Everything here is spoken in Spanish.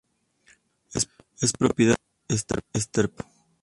Es propiedad de Cox Enterprises.